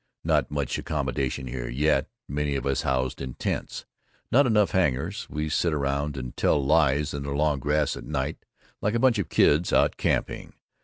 Not much accomodation here yet. Many of us housed in tents. Not enough hangars. We sit around and tell lies in the long grass at night, like a bunch of kids out camping.